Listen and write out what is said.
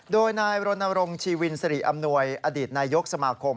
โดยนายรณรงค์ชีวินสิริอำนวยอดีตนายกสมาคม